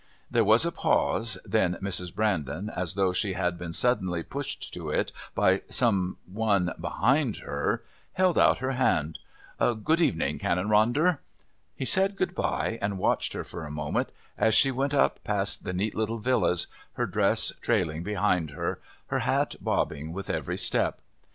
There was a pause, then Mrs. Brandon, as though she had been suddenly pushed to it by some one behind her, held out her hand.... "Good evening, Canon Ronder." He said good bye and watched her for a moment as she went up past the neat little villas, her dress trailing behind her, her hat bobbing with every step.